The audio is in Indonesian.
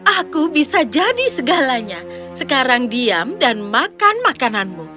aku bisa jadi segalanya sekarang diam dan makan makananmu